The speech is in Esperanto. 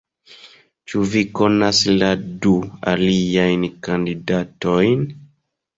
Ĉu vi konas la du aliajn kandidatojn?